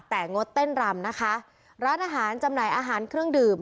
แต่งดเต้นรำนะคะร้านอาหารจำหน่ายอาหารเครื่องดื่ม